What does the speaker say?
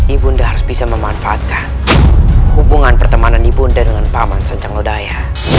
ibu nda harus bisa memanfaatkan hubungan pertemanan ibunda dengan paman sancang lodaya